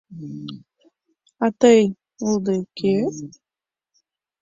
— А тый улде, кӧ?